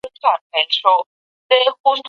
که ته وغواړې نو دا کتاب اخیستلی شې.